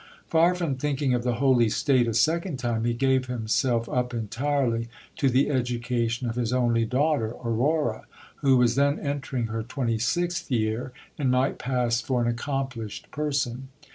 Far from thinking of the holy state a second time, he gave himself up entirely to the education of his only daughter Aurora, who was then entering her twenty sixth year, and might pass for an accomplished person.